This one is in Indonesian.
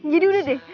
jadi udah deh